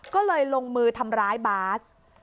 ก็เลยลงมือทำร้ายบาส